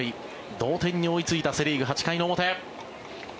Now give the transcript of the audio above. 同点に追いついたセ・リーグ８回の表。